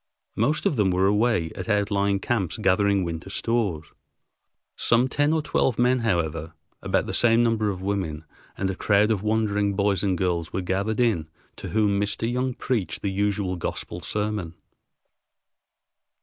Most of them were away at outlying camps gathering winter stores. Some ten or twelve men, however, about the same number of women, and a crowd of wondering boys and girls were gathered in, to whom Mr. Young preached the usual gospel sermon.